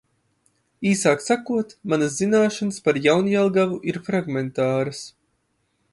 Īsāk sakot – manas zināšanas par Jaunjelgavu ir fragmentāras.